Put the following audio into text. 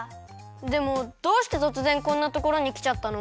でもどうしてとつぜんこんなところにきちゃったの？